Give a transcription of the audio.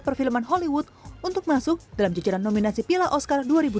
perfilman hollywood untuk masuk dalam jajaran nominasi piala oscar dua ribu dua puluh